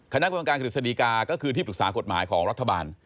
คณะกรรมการกฤษฎีกาก็คือที่ปรึกษากฎหมายของรัฐบาล